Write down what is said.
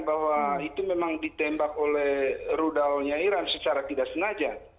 bahwa itu memang ditembak oleh rudalnya iran secara tidak sengaja